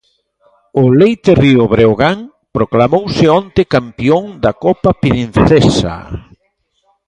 O Leite Río Breogán proclamouse onte campión da Copa Princesa.